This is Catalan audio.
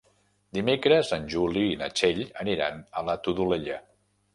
Dimecres en Juli i na Txell aniran a la Todolella.